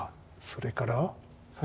それから？